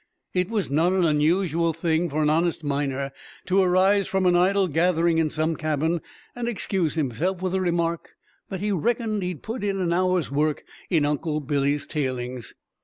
It was not an unusual thing for an honest miner to arise from an idle gathering in some cabin and excuse himself with the remark that he "reckoned he'd put in an hour's work in Uncle Billy's tailings!"